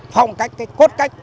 phong cách cái cốt cách